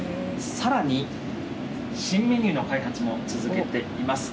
さらに、新メニューの開発も続けています。